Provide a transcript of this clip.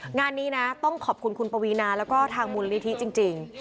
งานนี้นะต้องขอบคุณคุณปวีนาแล้วก็ทางมูลนิธิจริง